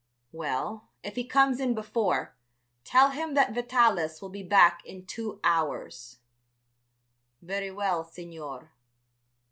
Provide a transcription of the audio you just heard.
"Well, if he comes in before, tell him that Vitalis will be back in two hours." "Very well, Signor."